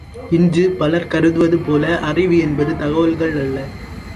இன்று பலர் கருதுவது போல அறிவு என்பது தகவல்கள் அல்ல.